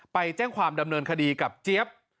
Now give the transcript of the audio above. ไปแจ้งความดำเนินคดีกับเจี๊ยบ